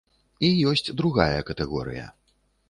І ёсць другая катэгорыя.